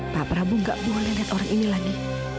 pak prabu gak boleh lihat orang ini lagi